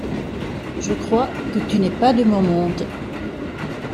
Je crois que tu n’es pas de mon monde.